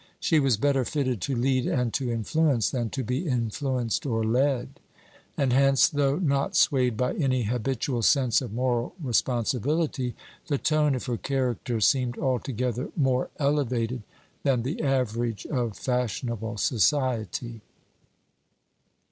She was better fitted to lead and to influence than to be influenced or led. And hence, though not swayed by any habitual sense of moral responsibility, the tone of her character seemed altogether more elevated than the average of fashionable society.